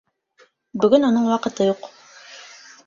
Бөгөн уның ваҡыты юҡ.